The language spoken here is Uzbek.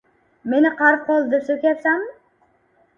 — Meni qarib qoldi, deb so‘kyapsanmi?